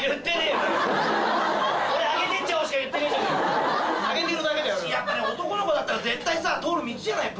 やっぱりね男の子だったら絶対さ通る道じゃない？